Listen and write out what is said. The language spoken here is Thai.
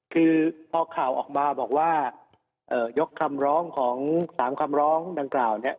คือพอข่าวออกมาบอกว่ายกคำร้องของ๓คำร้องดังกล่าวเนี่ย